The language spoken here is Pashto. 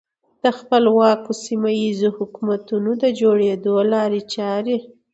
د خپلواکو سیمه ییزو حکومتونو د جوړېدو لارې چارې.